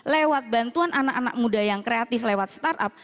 lewat bantuan anak anak muda yang kreatif lewat startup